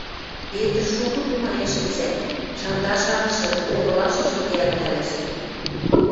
Петр шукы тумаен шӹнзӓ, шандашангшы онгылашыжым ниӓлтӓлеш.